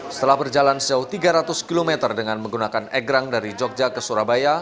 setelah berjalan sejauh tiga ratus km dengan menggunakan egrang dari jogja ke surabaya